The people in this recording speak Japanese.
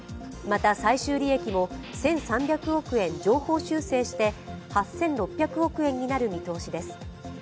また、最終利益も１３００億円上方修正して８６００億円になる見通しです。